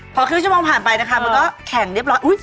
พอครึ่งชั่วโมงผ่านไปนะคะมันก็แข็งเรียบร้อย